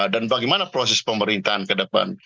bagaimana proses pemerintahan ke depan